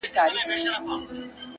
دبدبه د حُسن وه چي وحسي رام سو,